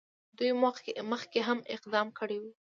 دوی مخکې هم اقدام کړی وو.